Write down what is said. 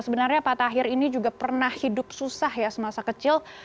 sebenarnya pak tahir ini juga pernah hidup susah ya semasa kecil